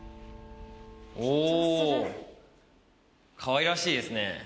かわいらしいですね。